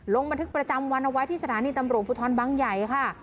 ลงบันทึกประจำวันเอาไว้ที่สถานีตำรวจภูทรบังใหญ่ค่ะ